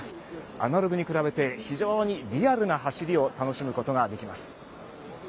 アナログに比べて非常にリアルな走りを楽しむことができます。